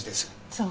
そう。